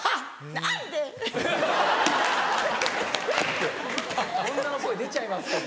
何で⁉女の声出ちゃいますから。